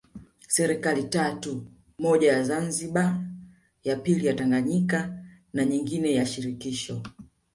Serikali tatu moja ya Zanzibar ya pili ya Tanganyika na nyingine ya shirikisho